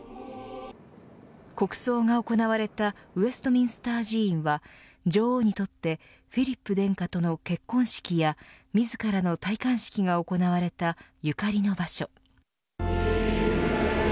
国葬が行われたウェストミンスター寺院は女王にとってフィリップ殿下との結婚式や自らの戴冠式が行われたゆかりの場所。